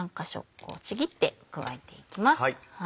こうちぎって加えていきます。